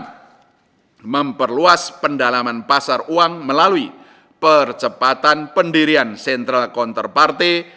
pertama memperluas pendalaman pasar uang melalui percepatan pendirian sentral kontraparte